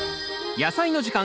「やさいの時間」